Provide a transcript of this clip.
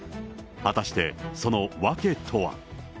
果たしてその訳とは。